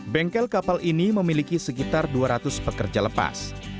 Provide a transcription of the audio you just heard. bengkel kapal ini memiliki sekitar dua ratus pekerja lepas